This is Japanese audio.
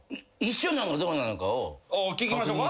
聞きましょか？